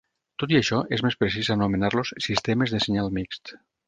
Tot i això, és més precís anomenar-los sistemes de senyal mixt.